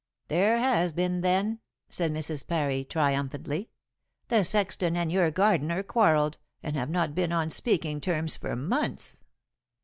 "There has been, then," said Mrs. Parry triumphantly. "The sexton and your gardener quarrelled, and have not been on speaking terms for months.